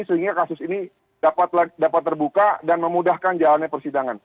sehingga kasus ini dapat terbuka dan memudahkan jalannya persidangan